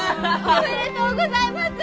おめでとうございます！